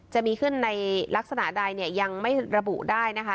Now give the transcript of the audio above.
จะมีขึ้นในลักษณะใดเนี่ยยังไม่ระบุได้นะคะ